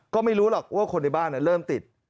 ก็ไม่รู้หรอกว่าคนในบ้านเริ่มติด